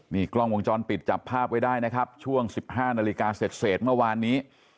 นี่กล้องวงจรปิดจับภาพไว้ได้นะครับช่วง๑๕นาฬิกาเสร็จเมื่อวานนี้